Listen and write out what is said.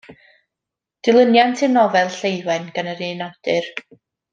Dilyniant i'r nofel Lleuwen gan yr un awdur.